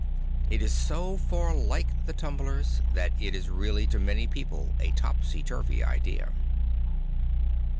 It is so far like the tumblers that it is really to many people a topsy turvy idea.